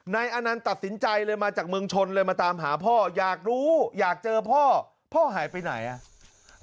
นายอนันต์ตัดสินใจเลยมาจากเมืองชนเลยมาตามหาพ่ออยากรู้อยากเจอพ่อพ่อหายไปไหนอ่ะ